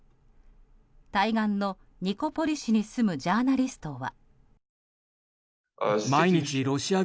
対岸のニコポリ市に住むジャーナリストは。